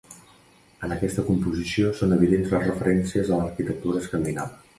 En aquesta composició són evidents les referències a l'arquitectura escandinava.